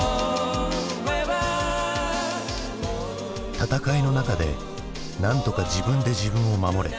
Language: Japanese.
「戦いの中で何とか自分で自分を守れ」。